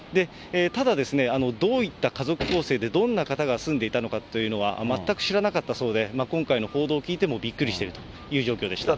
ただですね、どういった家族構成でどんな方が住んでいたのかというのは、全く知らなかったそうで、今回の報道を聞いてもうびっくりしているという状況でした。